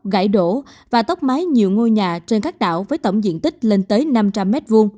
gãy đổ và tốc mái nhiều ngôi nhà trên các đảo với tổng diện tích lên tới năm trăm linh m hai